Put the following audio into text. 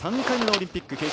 ３回目のオリンピック。